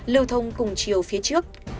lưu thông cùng chiều phía trước